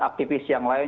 aktivis yang lain